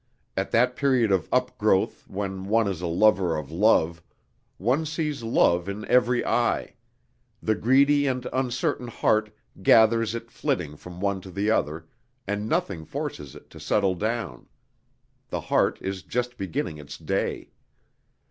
At that period of upgrowth when one is a lover of love, one sees love in every eye; the greedy and uncertain heart gathers it flitting from one to the other, and nothing forces it to settle down; the heart is just beginning its day.